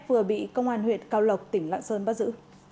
vừa bị công an huyện cao lộc tỉnh lạng sơn bắt giữ